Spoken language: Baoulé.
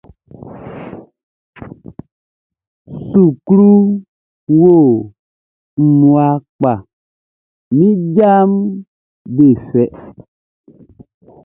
Sukluʼn wo mmua kpa, min jaʼm be fɛ.